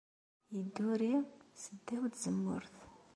Yedduri seddaw tzemmurt.